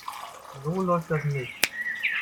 So läuft das nicht.